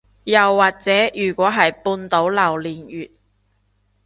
又或者如果係半島榴槤月